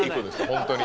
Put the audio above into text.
本当に。